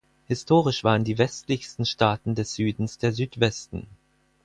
Historisch waren die westlichsten Staaten des Südens der Südwesten.